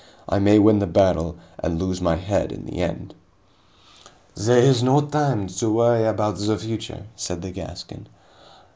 I may win the battle and lose my head in the end." "This is no time to worry about the future," said the Gascon.